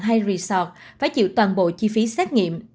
hay resort phải chịu toàn bộ chi phí xét nghiệm